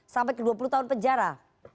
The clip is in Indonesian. sampai ke dua puluh tahun penjara